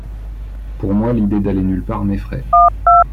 Pour moi, l'idée d'aller nulle part m'effraie.